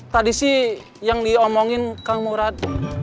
tadi sih yang diomongin kang murad